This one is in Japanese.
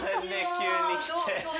急に来て。